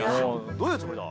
どういうつもりだ！